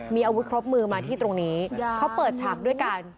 มีอาวุธครบมือมาที่ตรงนี้เขาเปิดฉากด้วยกัน